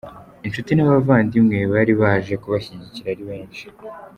Incuti n'abavandamwe bari baje kubashyigikira ari benshi.